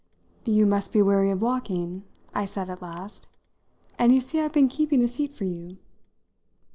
"You must be weary of walking," I said at last, "and you see I've been keeping a seat for you."